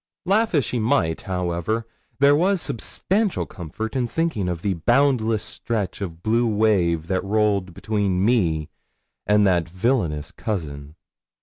Laugh as she might, however, there was substantial comfort in thinking of the boundless stretch of blue wave that rolled between me and that villainous cousin.